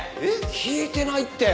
聞いてないって。